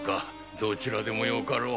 どちらでもよかろう。